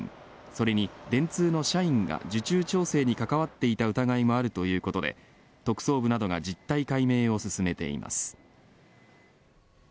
それに、電通の社員が受注調整に関わっていた疑いということで特捜部などが実態解明を進めています。